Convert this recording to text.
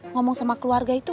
ngomong sama keluarga itu